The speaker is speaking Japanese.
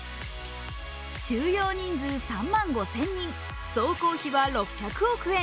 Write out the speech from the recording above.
収容人数３万５０００人、総工費６００億円。